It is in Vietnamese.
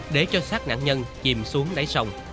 để cho sát nạn nhân chìm xuống đáy sông